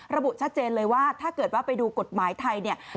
ระบุชัดเจนเลยว่าถ้าเกิดว่าไปดูกฎหมายไทยเนี่ย